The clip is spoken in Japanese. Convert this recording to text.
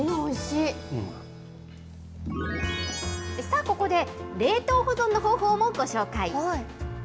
さあ、ここで冷凍保存の方法もご紹介。